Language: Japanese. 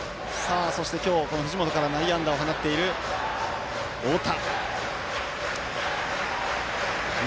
そして、今日、藤本から内野安打を放っている太田。